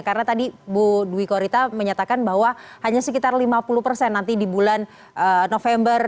karena tadi bu dwi korita menyatakan bahwa hanya sekitar lima puluh persen nanti di bulan november